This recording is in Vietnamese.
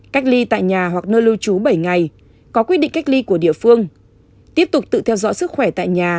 cách ly tại nhà hoặc nơi lưu trú bảy ngày có quyết định cách ly của địa phương tiếp tục tự theo dõi sức khỏe tại nhà